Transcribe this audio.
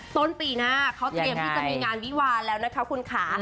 ต้นปีหน้าเขาเตรียมที่จะมีงานวิวาแล้วนะคะคุณค่ะ